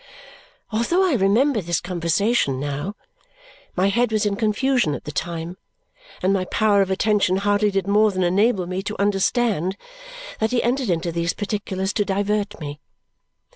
Although I remember this conversation now, my head was in confusion at the time, and my power of attention hardly did more than enable me to understand that he entered into these particulars to divert me.